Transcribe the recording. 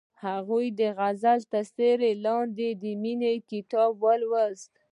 هغې د غزل تر سیوري لاندې د مینې کتاب ولوست.